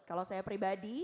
kalau saya pribadi